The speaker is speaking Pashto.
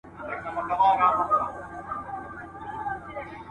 ښوونکی هڅه کوي چې هر زدهکوونکی خپل هدف ته ورسیږي.